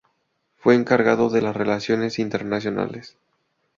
Fue encargado de las relaciones internacionales.